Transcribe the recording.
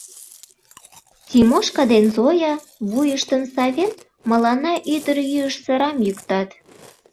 Тимошка ден Зоя, вуйыштым савен, мыланна ӱдырйӱыш сырам йӱктат.